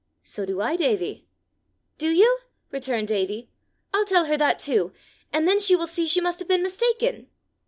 "So do I, Davie." "Do you?" returned Davie, "I'll tell her that too, and then she will see she must have been mistaken."